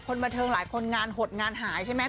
คนบันเทิงหลายคนงานหดงานหายใช่ไหม